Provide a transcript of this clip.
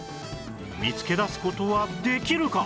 見つけだす事はできるか？